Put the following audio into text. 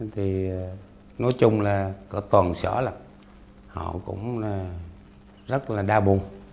thì nói chung là có toàn xã là họ cũng rất là đa bùng